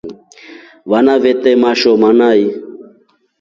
Vana vete mashoma nai.